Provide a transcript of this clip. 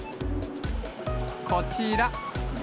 こちら。